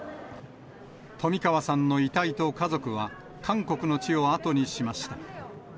冨川さんの遺体と家族は、韓国の地を後にしました。